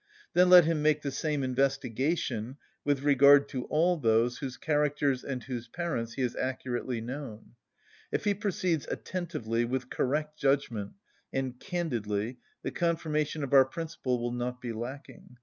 Then let him make the same investigation with regard to all those whose characters and whose parents he has accurately known. If he proceeds attentively, with correct judgment, and candidly, the confirmation of our principle will not be lacking.